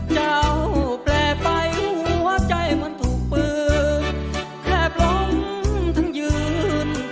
แปลไปหัวใจเหมือนถูกปืนแทบล้มทั้งยืน